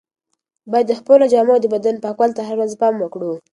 باید د خپلو جامو او بدن پاکوالي ته هره ورځ پام وکړو.